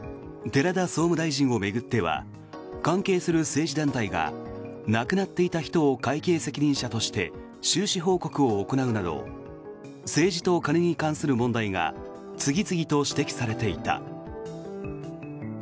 寺田総務大臣を巡っては関係する政治団体が亡くなっていた人を会計責任者として収支報告書を行うなど政治と金に関する問題が次々と指摘されていた。